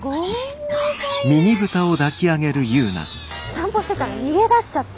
散歩してたら逃げ出しちゃって。